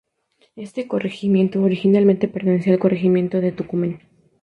Este corregimiento originalmente pertenecía al corregimiento de Tocumen.